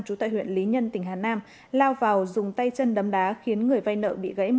chú tại huyện lý nhân tỉnh hà nam lao vào dùng tay chân đấm đá khiến người vây nợ bị gãy một